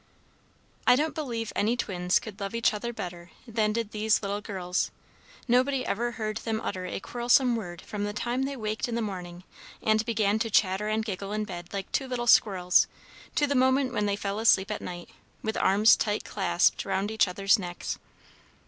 I don't believe any twins could love each other better than did these little girls. Nobody ever heard them utter a quarrelsome word from the time they waked in the morning, and began to chatter and giggle in bed like two little squirrels, to the moment when they fell asleep at night, with arms tight clasped round each other's necks.